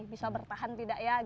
bisa bertahan tidak ya